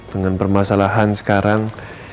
dengan permasalahan sekarang